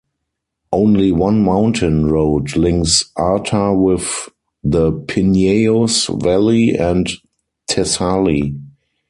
Only one mountain road links Arta with the Pineios valley and Thessaly.